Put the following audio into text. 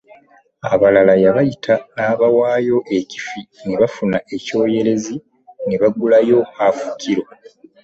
Abalala yabayitanga n’abawaayo ekifi ne bafuna ekyoyerezi ne bagulayo haafu kkiro.